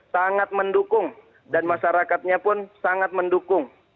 sangat mendukung dan masyarakatnya pun sangat mendukung